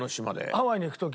ハワイに行く時。